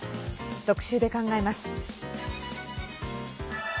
特集で考えます。